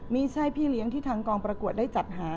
พี่เลี้ยงที่ทางกองประกวดได้จัดหา